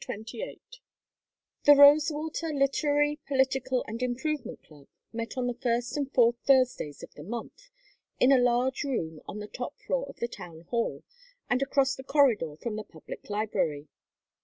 XXVIII The Rosewater Literary, Political, and Improvement Club met on the first and fourth Thursdays of the month, in a large room on the top floor of the Town Hall, and across the corridor from the Public Library.